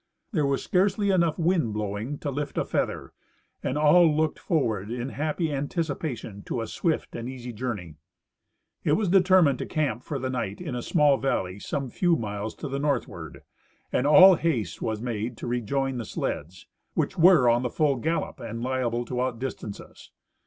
There was scarcely enough wind blowing to lift a feather, and all looked forward in happy anticiiDation to a swift and easy journey. It Avas determined to camp for the night in a small valley some few miles to the northward, and all haste was made to rejoin the sleds, which were on the full gallop and liable to outdistance us.